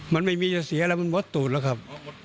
มันไม่มีจะเสียอะไรมันมดตูดแล้วครับ